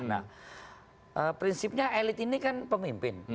nah prinsipnya elit ini kan pemimpin